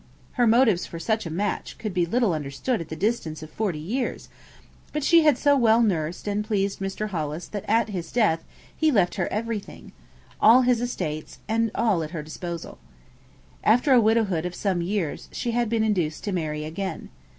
Her motives for such a match could be little understood at the distance of forty years, but she had so well nursed and pleased Mr. Hollis that at his death he left her everything all his estates, and all at her disposal. After a widowhood of some years she had been induced to marry again.